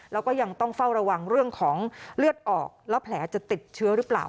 แล้วก็ยังต้องเฝ้าระวังเรื่องของเลือดออกแล้วแผลจะติดเชื้อหรือเปล่า